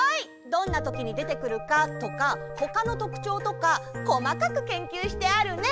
どんなときにでてくるかとかほかのとくちょうとかこまかく研究してあるね！